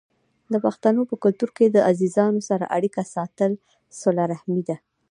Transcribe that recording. د پښتنو په کلتور کې د عزیزانو سره اړیکه ساتل صله رحمي ده.